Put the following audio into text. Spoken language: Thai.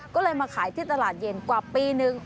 ก็เลยมาขายที่ตลาดเย็นกว่าปีนึง